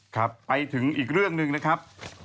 ครับไปถึงอีกเรื่องหนึ่งนะครับ